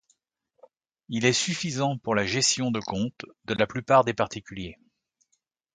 Il est suffisant pour la gestion de compte de la plupart des particuliers.